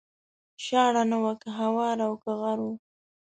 شاړه نه وه که هواره او که غر و